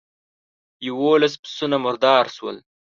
يوولس پسونه مردار شول.